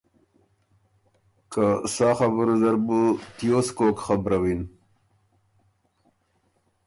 که ”سا خبُره زر بُو تیوس کوک خبروِن؟“